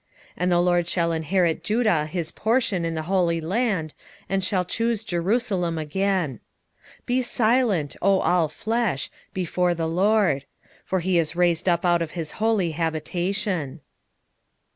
2:12 And the LORD shall inherit Judah his portion in the holy land, and shall choose Jerusalem again. 2:13 Be silent, O all flesh, before the LORD: for he is raised up out of his holy habitation.